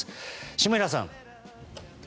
下平さん。